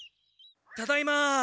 ただいま！